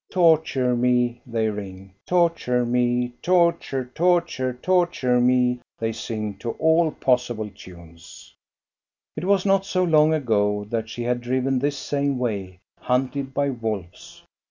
"Torture me," they ring. "Torture me, torture, torture, tor ture me," they sing to all possible tunes. It was not so long ago that she had driven this GHOST STORIES. 209 same way, hunted by wolves.